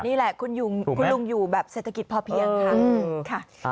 นี่แหละคุณลุงอยู่แบบเศรษฐกิจพอเพียงค่ะ